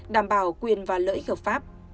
đảm bảo quyền và lợi hợp pháp